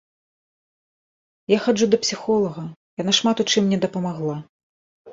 Я хаджу да псіхолага, яна шмат у чым мне дапамагла.